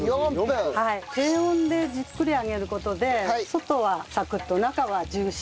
低温でじっくり揚げる事で外はサクッと中はジューシーに。